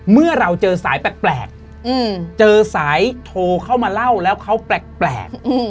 เมื่อเราเจอสายแปลกเจอสายโทรเข้ามาเล่าแล้วเขาแปลก